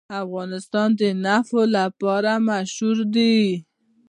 افغانستان د نفت لپاره مشهور دی.